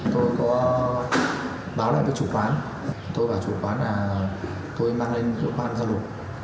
tôi có báo lại với chủ quán tôi bảo chủ quán là tôi mang lên cơ quan giao lục